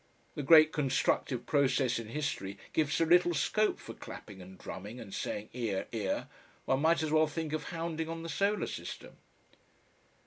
The great constructive process in history gives so little scope for clapping and drumming and saying "'Ear, 'ear!" One might as well think of hounding on the solar system.